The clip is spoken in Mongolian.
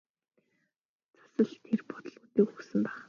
Цас л тэр бодлуудыг өгсөн байх.